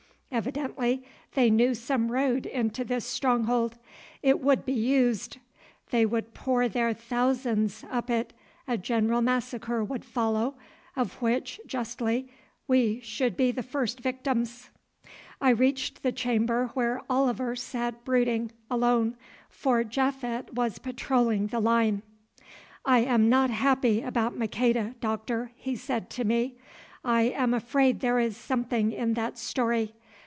Evidently they knew some road into this stronghold. It would be used. They would pour their thousands up it, a general massacre would follow, of which, justly, we should be the first victims. I reached the chamber where Oliver sat brooding alone, for Japhet was patrolling the line. "I am not happy about Maqueda, Doctor," he said to me. "I am afraid there is something in that story.